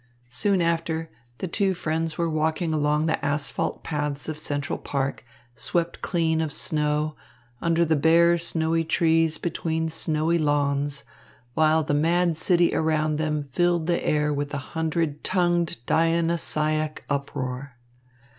Soon after, the two friends were walking along the asphalt paths of Central Park, swept clean of snow, under the bare, snowy trees between snowy lawns, while the mad city around them filled the air with a hundred tongued Dionysiac uproar.